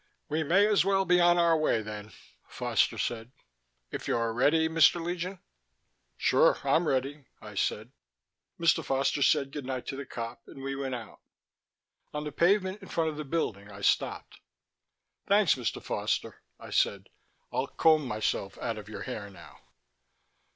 "We may as well be on our way then," Foster said. "If you're ready, Mr. Legion." "Sure, I'm ready," I said. Mr. Foster said goodnight to the cop and we went out. On the pavement in front of the building I stopped. "Thanks, Mr. Foster," I said. "I'll comb myself out of your hair now."